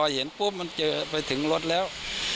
เห็นปุ๊บมันเจอไปถึงรถแล้ว